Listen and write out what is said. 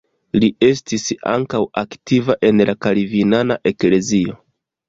Li estis ankaŭ aktiva en la kalvinana eklezio.